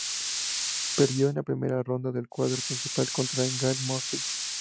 Perdió en la primera ronda del cuadro principal contra Gael Monfils.